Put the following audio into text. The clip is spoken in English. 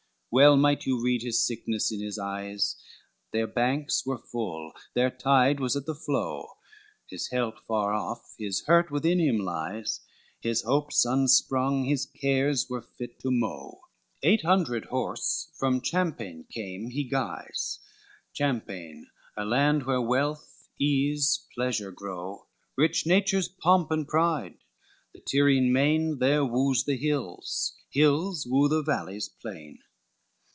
XLIX Well might you read his sickness in his eyes, Their banks were full, their tide was at the flow, His help far off, his hurt within him lies, His hopes unstrung, his cares were fit to mow; Eight hundred horse (from Champain came) he guies, Champain a land where wealth, ease, pleasure, grow, Rich Nature's pomp and pride, the Tirrhene main There woos the hills, hills woo the valleys plain.